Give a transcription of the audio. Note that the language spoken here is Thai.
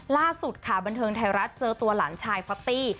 ล่าสุดค่ะบันเทิงไทยรัฐเจอตัวหลานชายป๊อตตี้